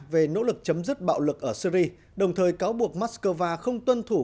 về nỗ lực chấm dứt bạo lực ở syri đồng thời cáo buộc moscow không tuân thủ